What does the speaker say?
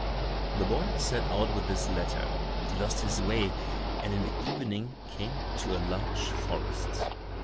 The boy set out with this letter; but he lost his way, and in the evening came to a large forest.